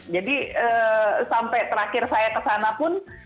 jadi sampai terakhir saya ke sana pun